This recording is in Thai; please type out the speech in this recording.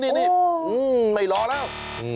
นี่ไม่รอแล้ว